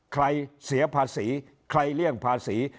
เสียภาษีใครเลี่ยงภาษี